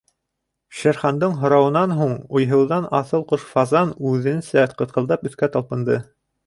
— Шер Хандың һорауынан һуң уйһыуҙан аҫыл ҡош фазан үҙенсә ҡытҡылдап өҫкә талпынды.